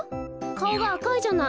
かおがあかいじゃない。